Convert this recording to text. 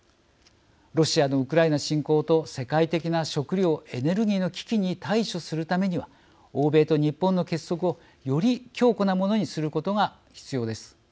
ロシアのウクライナ侵攻と世界的な食料・エネルギーの危機に対処するためにも欧米と日本の結束をより強固なものにすることが必要です。